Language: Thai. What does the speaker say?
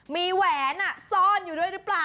มีแหวนซ่อนอยู่ด้วยหรือเปล่า